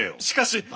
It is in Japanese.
しかし。